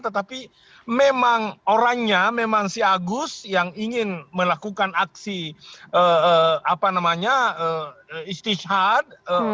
tetapi memang orangnya memang si agus yang ingin melakukan aksi istishad